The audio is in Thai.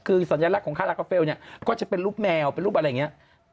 คือสัญลักษณ์ของคารากาเฟลเนี่ยก็จะเป็นรูปแมวเป็นรูปอะไรอย่างนี้